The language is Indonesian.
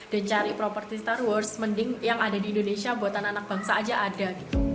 dan cari properti star wars mending yang ada di indonesia buatan anak bangsa aja ada